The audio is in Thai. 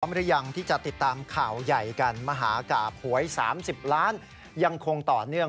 หรือยังที่จะติดตามข่าวใหญ่กันมหากราบหวย๓๐ล้านยังคงต่อเนื่อง